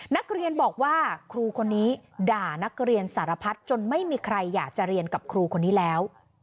นักเรียนบอกว่าครูคนนี้ด่านักเรียนสารพัฒน์จนไม่มีใครอยากจะเรียนกับครูคนนี้แล้ว